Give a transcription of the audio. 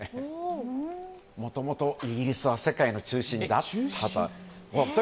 もともとイギリスは世界の中心だったと。